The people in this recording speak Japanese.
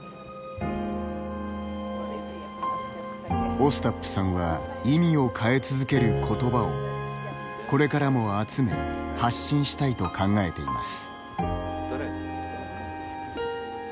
オスタップさんは意味を変え続ける言葉をこれからも集め発信したいと考えています。